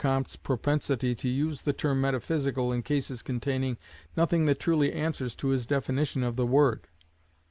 Comte's propensity to use the term metaphysical in cases containing nothing that truly answers to his definition of the word.